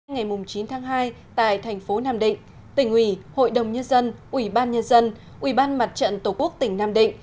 ngày chín tháng hai tại thành phố nam định tỉnh ủy hội đồng nhân dân ủy ban nhân dân ủy ban mặt trận tổ quốc tỉnh nam định